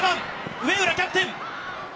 植浦キャプテン。